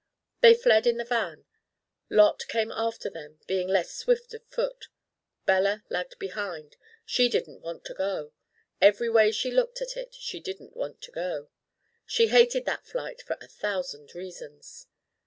They fled in the van. Lot came after them, being less swift of foot. Bella lagged behind. She didn't want to go. Every way she looked at it she didn't want to go. She hated that flight for a thousand reasons.